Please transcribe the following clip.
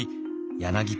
柳田。